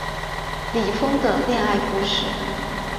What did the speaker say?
李锋的恋爱故事